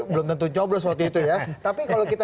belum tentu coblos waktu itu ya tapi kalau kita